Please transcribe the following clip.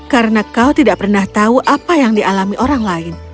karena kau tidak pernah tahu apa yang dialami orang lain